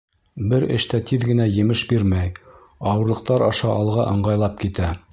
Бер эш тә тиҙ генә емеш бирмәй, ауырлыҡтар аша алға ыңғайлап китә.